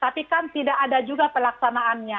tapi kan tidak ada juga pelaksanaannya